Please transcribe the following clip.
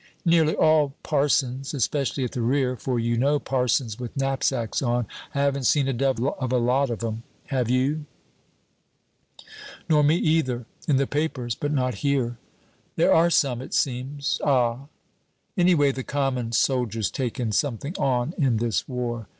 "Nearly all parsons, especially at the rear. For, you know, parsons with knapsacks on, I haven't seen a devil of a lot of 'em, have you?" "Nor me either. In the papers, but not here." "There are some, it seems." "Ah!" "Anyway, the common soldier's taken something on in this war."